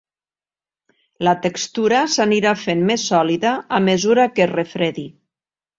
La textura s'anirà fent més sòlida a mesura que es refredi.